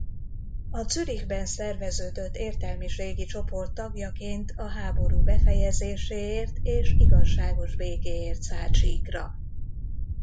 A Zürichben szerveződött értelmiségi csoport tagjaként a háború befejezéséért és igazságos békéért szállt síkra.